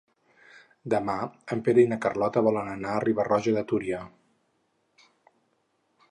Demà en Pere i na Carlota volen anar a Riba-roja de Túria.